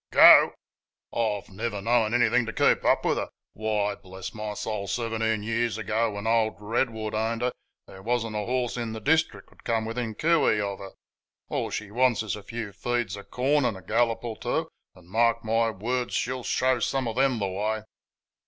"GO! I've never known anything to keep up with her. Why, bless my soul, seventeen years ago, when old Redwood owned her, there was n't a horse in the district could come within coo ee of her. All she wants is a few feeds of corn and a gallop or two, and mark my words she'll show some of them the way."